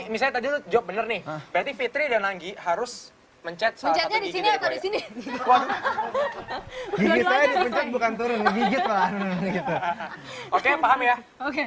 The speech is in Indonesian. kita jawab bener nih berarti fitri dan lagi harus mencet salah disini bukan turun oke paham ya oke